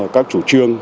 các chủ trương